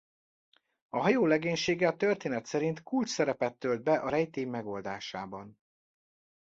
A hajó legénysége a történet szerint kulcsszerepet tölt be a rejtély megoldásában.